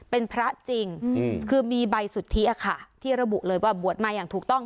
เป็นพระจริงคือมีใบสุทธิค่ะที่ระบุเลยว่าบวชมาอย่างถูกต้อง